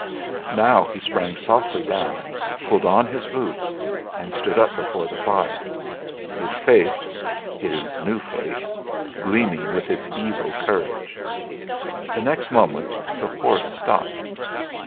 Now he sprang softly down, pulled on his boots and stood up before the fire, his face this new face gleaming with its evil courage. The next moment the horse stopped.